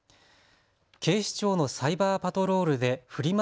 警視庁のサイバーパトロールでフリマ